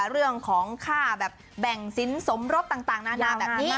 เรื่องของค่าแบบแบ่งสินสมรสต่างนานาแบบนี้